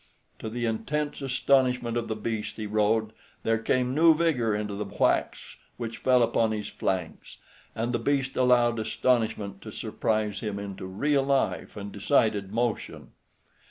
To the intense astonishment of the beast he rode, there came new vigor into the whacks which fell upon his flanks; and the beast allowed astonishment to surprise him into real life and decided motion.